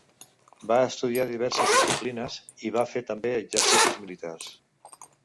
Va estudiar diverses disciplines i va fer també exercicis militars.